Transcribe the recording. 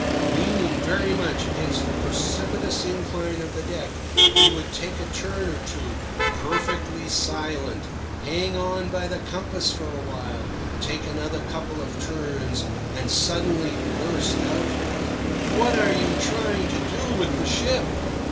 Leaning very much against the precipitous incline of the deck, he would take a turn or two, perfectly silent, hang on by the compass for a while, take another couple of turns, and suddenly burst out: "What are you trying to do with the ship?"